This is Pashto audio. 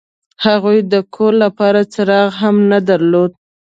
هغوی د کور لپاره څراغ هم نه درلود